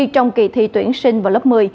trong kỳ thi tuyển sinh vào lớp một mươi